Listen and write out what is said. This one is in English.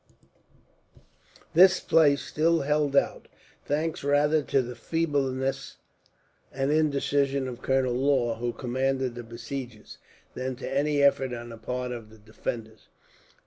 This place still held out, thanks rather to the feebleness and indecision of Colonel Law, who commanded the besiegers, than to any effort on the part of the defenders.